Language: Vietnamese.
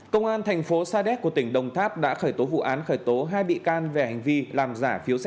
công an tp sadec của tỉnh đồng tháp đã khởi tố vụ án khởi tố hai bị can về hành vi làm giả phiếu xe